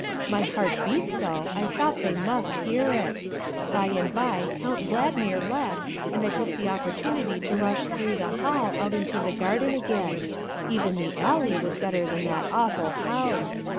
My heart beat so I thought they must hear it. By and by Count Valdmir left and I took the opportunity to rush through the hall out into the garden again; even the alley was better than that awful house.